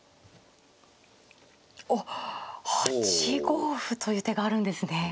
おっ８五歩という手があるんですね。